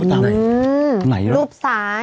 รูปซ้ายเออมึงมึงเหมือนทาเล็บด่อไหนอะ